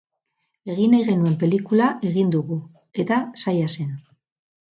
Egin nahi genuen pelikula egin dugu, eta zaila zen.